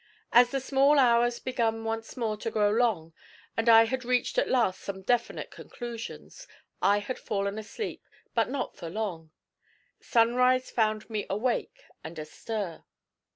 As the small hours began once more to grow long, and I had reached at last some definite conclusions, I had fallen asleep, but not for long. Sunrise found me awake and astir.